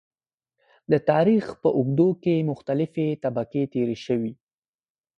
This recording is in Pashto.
د تاريخ په اوږدو کې مختلفې طبقې تېرې شوي .